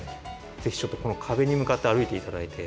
ぜひちょっとこの壁に向かって歩いて頂いて。